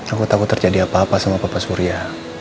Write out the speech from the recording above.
aku takut terjadi apa apa sama papa surya